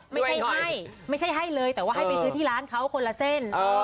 ไม่ใช่ให้ไม่ใช่ให้เลยแต่ว่าให้ไปซื้อที่ร้านเขาคนละเส้น